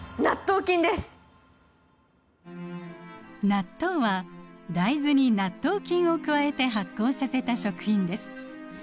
納豆は大豆に納豆菌を加えて発酵させた食品です。